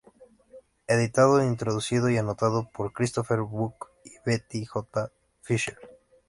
Editado, introducido y anotado por Christopher Buck y Betty J. Fisher.